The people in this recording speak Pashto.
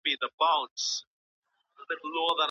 ولي هوډمن سړی د پوه سړي په پرتله لوړ مقام نیسي؟